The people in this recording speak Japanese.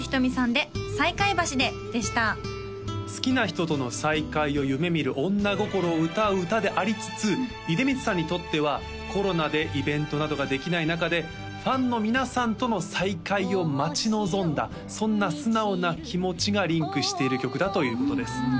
好きな人との再会を夢みる女心を歌う歌でありつつ出光さんにとってはコロナでイベントなどができない中でファンの皆さんとの再会を待ち望んだそんな素直な気持ちがリンクしている曲だということです